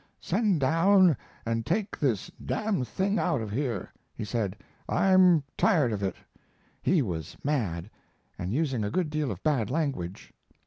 "Send down and take this d thing out of here," he said; "I'm tired of it." He was mad, and using a good deal of bad language.